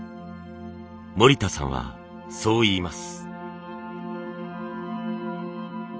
森田さんはそう言います。